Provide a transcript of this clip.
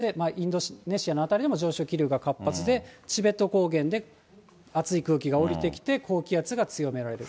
さらに、南シナ海でも上昇気流が活発で、そしてインドネシアの辺りでも上昇気流が活発で、チベット高原で熱い空気が下りてきて、高気圧が強められる。